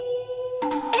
え！